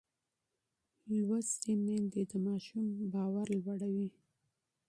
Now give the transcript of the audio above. ښوونځې تللې مور د ماشوم اعتماد لوړوي.